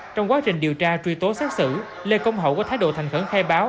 trong quá trình điều tra truy tố xác xử lê công hậu có thái độ thành khẩn khai báo